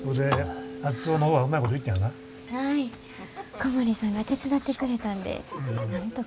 小森さんが手伝ってくれたんでなんとか。